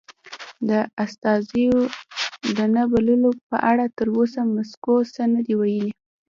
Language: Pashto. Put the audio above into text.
د استازیو د نه بللو په اړه تر اوسه مسکو څه نه دې ویلي.